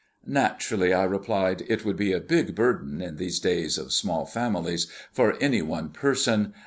"Naturally," I replied. "It would be a big burden, in these days of small families, for any one person.